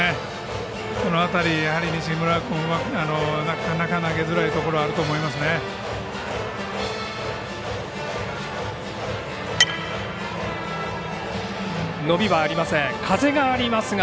その辺りやはり西村君はなかなか投げづらいところがあると思いますね。